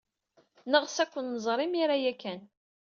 Neɣs ad ken-nẓer imir-a ya kan.